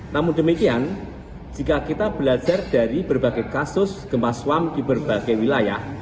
namun demikian jika kita belajar dari berbagai kasus gempa suam di berbagai wilayah